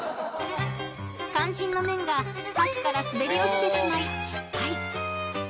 ［肝心の麺が箸から滑り落ちてしまい失敗］